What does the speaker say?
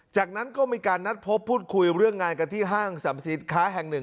จากนั้นก็มีการนัดพบพูดคุยเรื่องงานกันที่ห้างสรรพสินค้าแห่งหนึ่ง